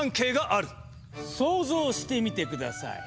想像してみて下さい。